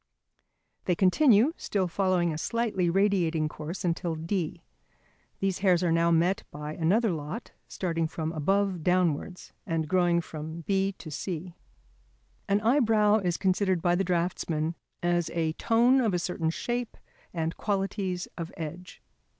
They continue, still following a slightly radiating course until D. These hairs are now met by another lot, starting from above downwards, and growing from. B to C. An eyebrow is considered by the draughtsman as a tone of a certain shape and qualities of edge.